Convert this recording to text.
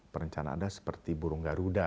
perencanaannya seperti burung garuda